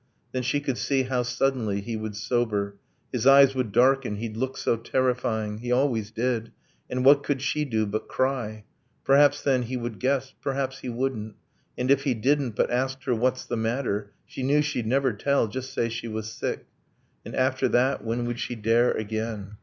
Then she could see how, suddenly, he would sober, His eyes would darken, he'd look so terrifying He always did and what could she do but cry? Perhaps, then, he would guess perhaps he wouldn't. And if he didn't, but asked her 'What's the matter?' She knew she'd never tell just say she was sick ... And after that, when would she dare again?